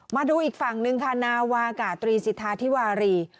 มาดูอีกฝั่งหนึ่งค่ะนาวากาตรีสิทธาธิวารี